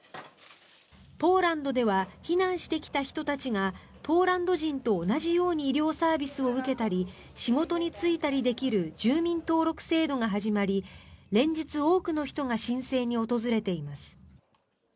ポーランドでは避難してきた人たちがポーランド人と同じように医療サービスを受けたり仕事に就いたりできる住民登録制度が始まり連日、多くの人が申請に訪れています。